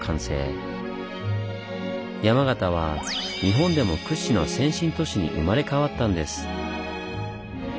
山形は日本でも屈指の先進都市に生まれ変わったんです。